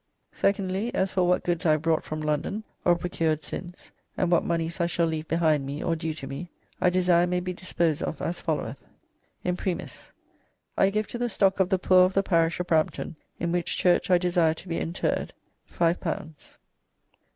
"Secondly, As for what goods I have brought from London, or procured since, and what moneys I shall leave behind me or due to me, I desire may be disposed of as followeth: "Imprimis, I give to the stock of the poore of the parish of Brampton, in which church I desire to be enterred, five pounds.